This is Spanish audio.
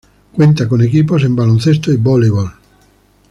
Cuenta con equipos en baloncesto y voleibol.